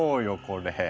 これ。